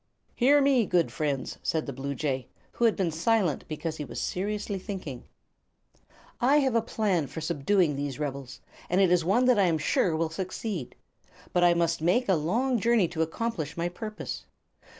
"Hear me, good friends," said the bluejay, who had been silent because he was seriously thinking; "I have a plan for subduing these rebels, and it is one that I am sure will succeed. But I must make a long journey to accomplish my purpose.